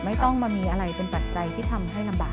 ไม่ต้องมามีอะไรเป็นปัจจัยที่ทำให้ลำบาก